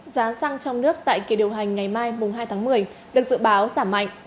giá xăng trong nước tại kỳ điều hành ngày mai hai tháng một mươi được dự báo giảm mạnh